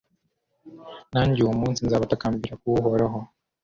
nanjye uwo munsi nzabatakambira kuri uhoraho